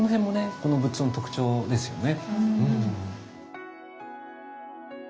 この仏像の特徴ですよね。